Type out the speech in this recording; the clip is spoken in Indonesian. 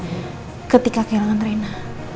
saya ingin mengingatkan rena